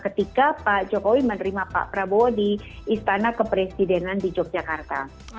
ketika pak jokowi menerima pak prabowo di istana kepresidenan di yogyakarta